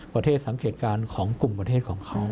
สังเกตการณ์ของกลุ่มประเทศของเขา